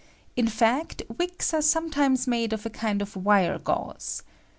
In fact, wicks are sometimes made of a kind of wire gauze.